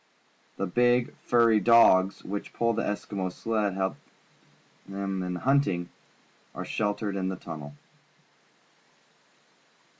The big, furry dogs, which pull the Eskimo's sled and help him in hunting, are .sheltered in the tunnel.